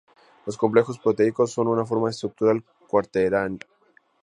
Los complejos proteicos son una forma de estructura cuaternaria.